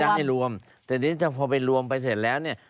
จะให้รวมแต่พอไปรวมไปเสร็จแล้วเนี่ย